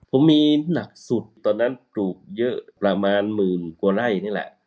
ผมมีหนักสุดตอนนั้นปลูกเยอะประมาณหมื่นกว่าไร่นี่แหละ